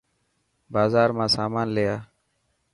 بازار مان سامان لي آ.